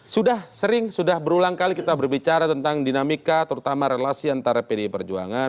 sudah sering sudah berulang kali kita berbicara tentang dinamika terutama relasi antara pdi perjuangan